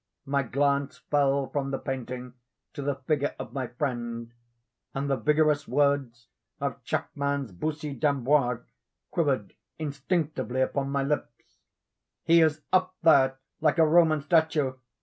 My glance fell from the painting to the figure of my friend, and the vigorous words of Chapman's Bussy D'Ambois, quivered instinctively upon my lips: "He is up There like a Roman statue!